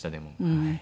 はい。